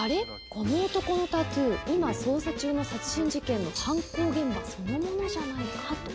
この男のタトゥー今捜査中の殺人事件の犯行現場そのままじゃないか」と。